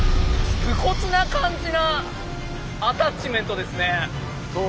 武骨な感じのアタッチメントですね。